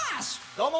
どうも。